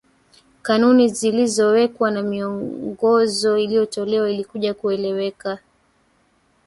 kanuni zilizowekwa na miongozo iliyotolewa ilikuja kueleweka kuwa